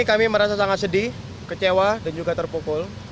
kami merasa sangat sedih kecewa dan juga terpukul